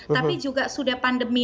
tapi juga sudah pandemi